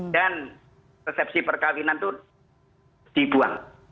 dan resepsi perkahwinan itu dibuang